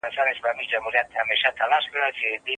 هغه وویل چي پوهه د انسان تر ټولو لویه وسله ده.